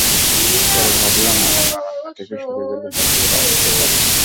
পরে ভাবলাম, আমি বারান্দা থেকে সরে গেলে হয়তো এরা আসতে পারে।